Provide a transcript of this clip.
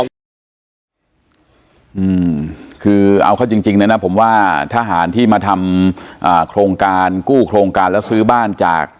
อืมคือเอาเข้าจริงจริงเนี่ยนะผมว่าทหารที่มาทำอ่าโครงการกู้โครงการแล้วซื้อบ้านจาก